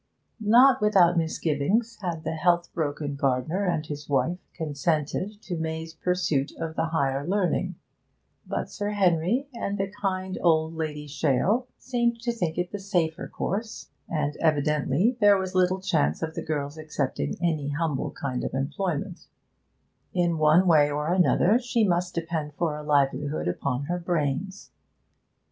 Not without misgivings had the health broken gardener and his wife consented to May's pursuit of the higher learning; but Sir Henry and the kind old Lady Shale seemed to think it the safer course, and evidently there was little chance of the girl's accepting any humble kind of employment: in one way or another she must depend for a livelihood upon her brains.